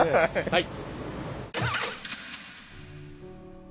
はい。